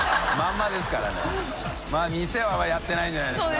まぁ店はやってないんじゃないですか？